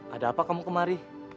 ada apa kamu kemari